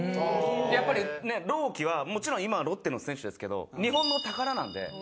やっぱり朗希はもちろん今はロッテの選手ですけど日本の宝なんで。